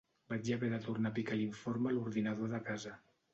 Vaig haver de tornar a picar l'informe a l'ordinador de casa.